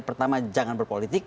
pertama jangan berpolitik